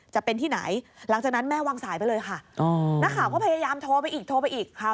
จะเป็นที่ไหนหลังจากนั้นแม่วางสายไปเลยค่ะ